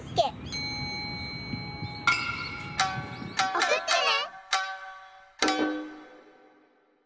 おくってね！